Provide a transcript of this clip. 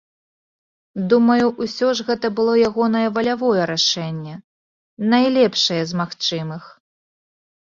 Думаю, усё ж гэта было ягонае валявое рашэнне, найлепшае з магчымых.